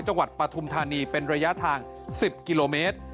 ปฐุมธานีเป็นระยะทาง๑๐กิโลเมตร